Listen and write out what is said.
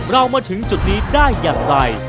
เรามาถึงจุดนี้ได้อย่างไร